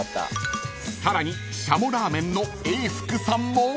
［さらに軍鶏ラーメンの永福さんも］